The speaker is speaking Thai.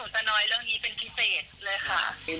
ใช่ช่วงนี้หนูจะนอยเรื่องนี้เป็นพิเศษเลยค่ะ